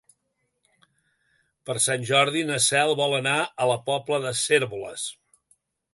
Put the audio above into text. Per Sant Jordi na Cel vol anar a la Pobla de Cérvoles.